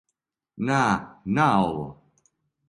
На, на ово.